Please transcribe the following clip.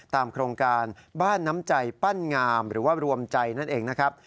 โครงการบ้านน้ำใจปั้นงามหรือว่ารวมใจนั่นเองนะครับ